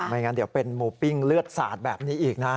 งั้นเดี๋ยวเป็นหมูปิ้งเลือดสาดแบบนี้อีกนะ